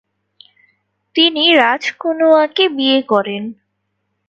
তিনি রাজ কুনুয়াকে বিয়ে করেন।